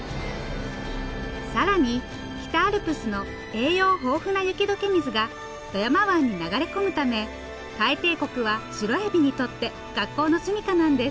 更に北アルプスの栄養豊富な雪解け水が富山湾に流れ込むため海底谷はシロエビにとって格好のすみかなんです。